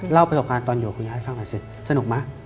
เล่าประสบการณ์ตอนอยู่กับคุณยายสร้างไปเสร็จสนุกไหม